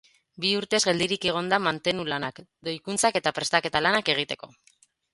Bi urtez geldirik egon da mantenu lanak, doikuntzak eta prestaketa lanak egiteko.